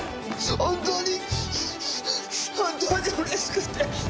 本当に本当にうれしくて！